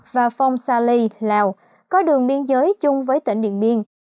và phong sa ly lào có đường biên giới chung với tỉnh điện biên